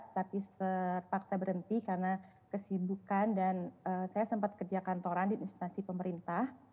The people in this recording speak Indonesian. tapi serta saya berhenti karena kesibukan dan saya sempat kerja kantoran di institusi pemerintah